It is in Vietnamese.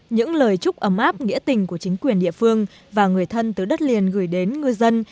những lời chúc ấm áp nghĩa tình của chính quyền địa phương và người thân từ đất liền gửi đến ngư dân